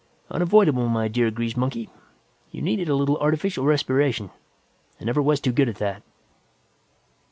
"Unavoidable, my dear grease monkey. You needed a little artificial respiration; I never was too good at that."